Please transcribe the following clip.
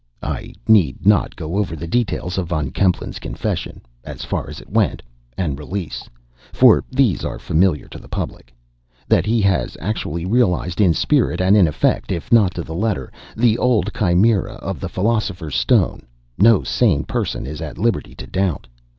I need not go over the details of Von Kempelen's confession (as far as it went) and release, for these are familiar to the public. That he has actually realized, in spirit and in effect, if not to the letter, the old chimaera of the philosopher's stone, no sane person is at liberty to doubt.